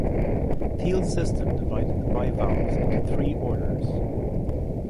Thiele's system divided the bivalves into three orders.